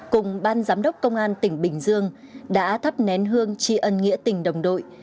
cùng ban giám đốc công an tỉnh bình dương đã thắp nén hương tri ân nghĩa tình đồng đội